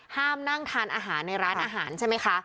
ห้ามนั่งทานอาหารในร้านอาหารใช่ไหมคะ